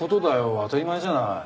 当たり前じゃない。